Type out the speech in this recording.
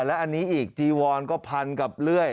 และอันนี้อีกจีวอนก็พันกับเลื่อย